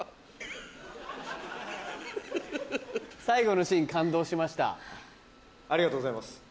最後のシーン感動しました。